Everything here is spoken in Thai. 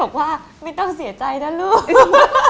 บอกว่าไม่ต้องเสียใจนะลูก